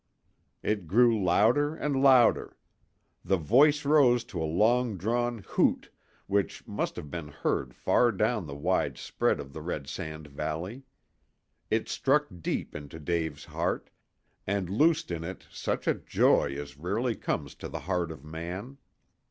It grew louder and louder. The voice rose to a long drawn "hoot," which must have been heard far down the wide spread of the Red Sand Valley. It struck deep into Dave's heart, and loosed in it such a joy as rarely comes to the heart of man.